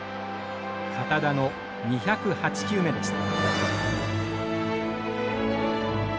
堅田の２０８球目でした。